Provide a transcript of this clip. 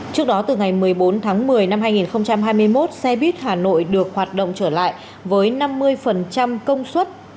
trước đó từ ngày một mươi bốn tháng một mươi năm hai nghìn hai mươi một xe buýt hà nội được hoạt động trở lại với năm mươi công suất